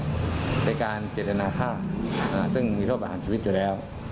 ในการเจตนาฆ่าซึ่งมีโทษประหารชีวิตอยู่แล้ว